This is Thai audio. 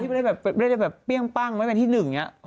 สำหรับคนที่ไม่ได้แบบเปรี้ยงปั้งไม่ได้แบบที่หนึ่งอย่างนี้